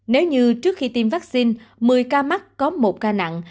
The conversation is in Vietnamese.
nếu như trước khi tiêm vaccine một mươi ca mắc có một ca nặng